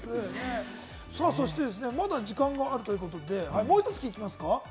まだ時間があるということで、もう一つ聞きますか？